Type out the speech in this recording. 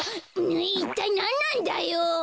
いったいなんなんだよ！